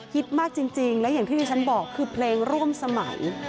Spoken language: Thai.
มากจริงและอย่างที่ที่ฉันบอกคือเพลงร่วมสมัย